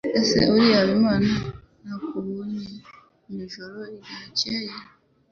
Ese uriya Habimana nakubonye mwijoro ryakeye?